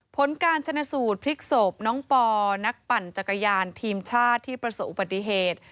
ผลการชนะสูตรพลิกศพน้องปอนักปั่นจักรยานทีมชาติที่ประสบอุบัติเหตุ